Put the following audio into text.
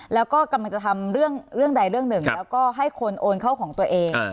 แล้วก็กำลังจะทำเรื่องใดเรื่องหนึ่งแล้วก็ให้คนโอนเข้าของตัวเอง